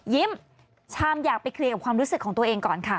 ชามอยากไปเคลียร์กับความรู้สึกของตัวเองก่อนค่ะ